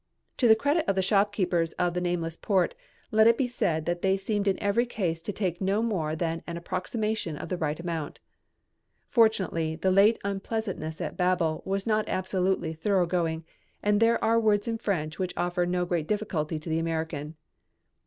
To the credit of the shopkeepers of the nameless port, let it be said that they seemed in every case to take no more than an approximation of the right amount. Fortunately the late unpleasantness at Babel was not absolutely thoroughgoing and there are words in French which offer no great difficulty to the American.